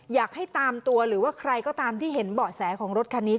อยากให้ตามตัวหรือว่าใครก็ตามที่เห็นเบาะแสของรถคันนี้